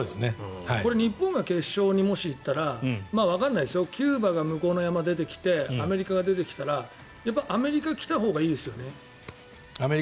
これ日本が決勝にもし行ったらわからないですよ、キューバが向こうの山出てきてアメリカが出てきたらアメリカが来たほうがいいですよね。